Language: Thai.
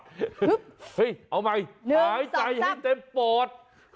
เฮ้ยเอาใหม่หนึ่งสองสามหายใจให้เต็มป่อน